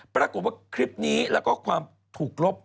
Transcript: ปรากฏว่าคลิปนี้แล้วก็ความถูกลบ